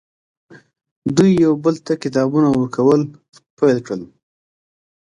دوی یو بل ته کتابونه ورکول پیل کړل